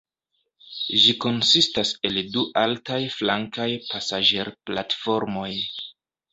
Ĝi konsistas el du altaj flankaj pasaĝerplatformoj.